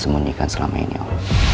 sembunyikan selama ini om